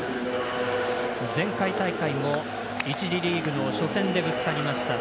前回大会も１次リーグの初戦でぶつかりました。